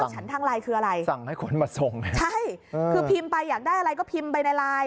ฉันทางไลน์คืออะไรใช่คือพิมพ์ไปอยากได้อะไรก็พิมพ์ไปในไลน์